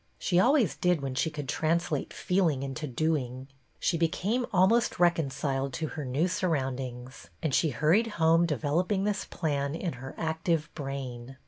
She always did when she could translate feeling into doing. She became almost reconciled to her new surroundings, and she hurried home developing this plan in her active brain.